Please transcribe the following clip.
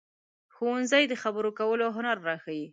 ښوونځی د خبرو کولو هنر راښيي